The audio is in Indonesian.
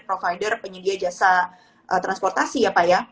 provider penyedia jasa transportasi ya pak ya